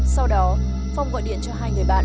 sau đó phong gọi điện cho hai người bạn